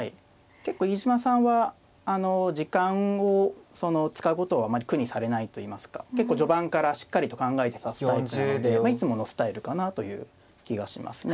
結構飯島さんは時間を使うことをあまり苦にされないといいますか結構序盤からしっかりと考えて指すタイプなのでまあいつものスタイルかなという気がしますね。